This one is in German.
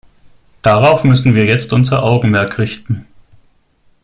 Darauf müssen wir jetzt unser Augenmerk richten.